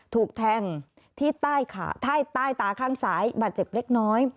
ถูกแทงที่ใต้ตาข้างซ้ายบาดเจ็บเล็กน้อย